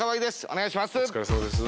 お願いします。